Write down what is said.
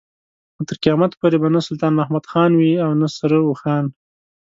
خو تر قيامت پورې به نه سلطان محمد خان وي او نه سره اوښان.